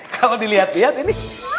kalau dilihat lihat ini